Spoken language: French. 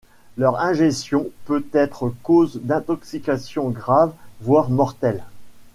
Leur ingestion peut être cause d'intoxication grave, voire mortelle.